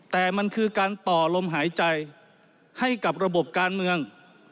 แต่มันคือการต่อลมหายใจให้กับระบบการเมือง